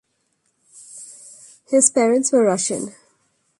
His parents were Russian.